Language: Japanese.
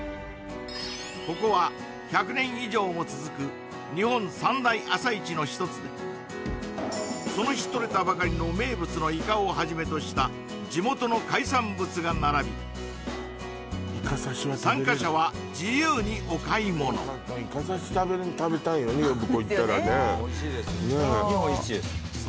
ここは１００年以上も続く日本三大朝市の一つでその日とれたばかりの名物のイカをはじめとした地元の海産物が並び参加者は自由にお買い物イカ刺し食べたいよね呼子行ったらねおいしいですねおいしいねえ